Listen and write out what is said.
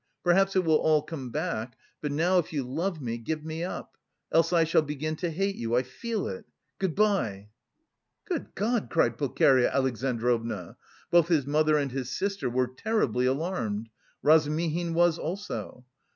Perhaps it will all come back, but now if you love me, give me up... else I shall begin to hate you, I feel it.... Good bye!" "Good God!" cried Pulcheria Alexandrovna. Both his mother and his sister were terribly alarmed. Razumihin was also.